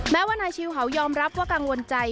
แม้ว่านายชิลเห่ายอมรับว่ากังวลใจ